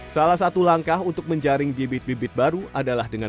salah satu langkah untuk menjaring bibit bibit baru adalah dengan